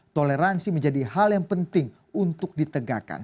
toleransi menjadi hal yang penting untuk ditegakkan